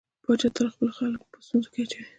پاچا تل خلک په ستونزو کې اچوي.